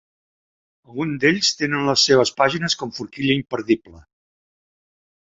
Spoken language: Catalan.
Alguns d'ells tenen les seves pàgines, com forquilla i imperdible.